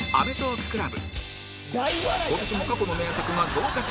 今年も過去の名作が増加中